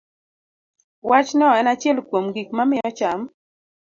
Wachno en achiel kuom gik mamiyo cham